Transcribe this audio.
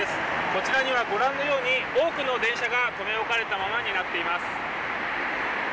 こちらにはご覧のように多くの電車が留め置かれたままになっています。